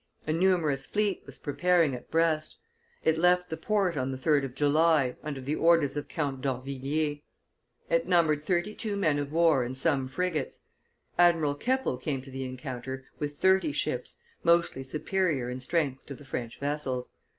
A numerous fleet was preparing at Brest; it left the port on the 3d of July, under the orders of Count d'Orvilliers. It numbered thirty two men of war and some frigates. Admiral Keppel came to the encounter with thirty ships, mostly superior in strength to the French vessels.